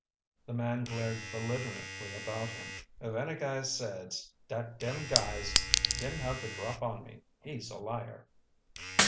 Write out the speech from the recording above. The man glared belligerently about him. "If any guy says dat dem guys didn't have the drop on me, he's a liar!"